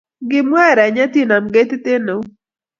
Ngimwaa erenyet inam ketit eng eut